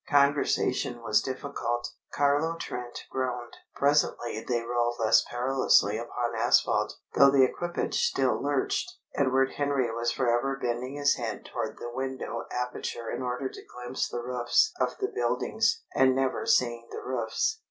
Conversation was difficult; Carlo Trent groaned. Presently they rolled less perilously upon asphalt, though the equipage still lurched. Edward Henry was forever bending his head toward the window aperture in order to glimpse the roofs of the buildings, and never seeing the roofs.